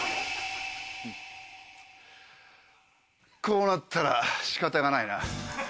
こうなったら仕方がないな。